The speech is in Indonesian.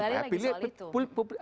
iya supaya ada pilihan